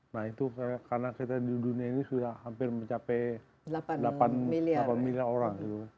nah itu karena kita di dunia ini sudah hampir mencapai delapan miliar orang